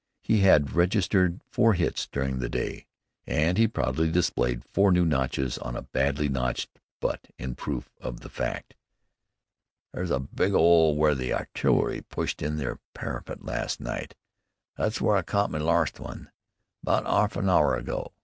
He had registered four hits during the day, and he proudly displayed four new notches on a badly notched butt in proof of the fact. "There's a big 'ole w'ere the artill'ry pushed in their parapet larst night. That's w'ere I caught me larst one, 'bout a 'arf hour ago.